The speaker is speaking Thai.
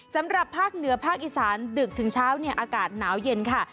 สำหรับภาคเหนือภาคอีสานดึกถึงเช้าเนี่ยอากาศหนาวเย็นค่ะ